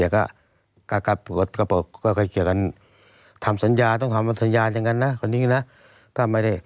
ก็ไกล่เกียร์กันทำสัญญาต้องทำสัญญาอย่างนั้นนะ